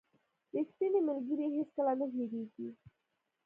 • ریښتینی ملګری هیڅکله نه هېریږي.